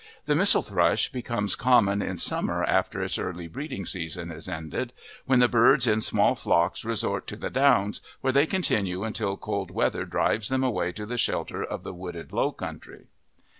The mistle thrush becomes common in summer after its early breeding season is ended, when the birds in small flocks resort to the downs, where they continue until cold weather drives them away to the shelter of the wooded, low country.